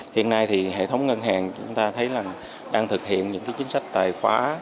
hiện nay thì hệ thống ngân hàng chúng ta thấy là đang thực hiện những chính sách tài khoá